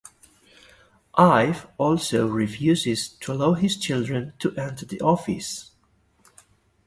Ive also refuses to allow his children to enter the office.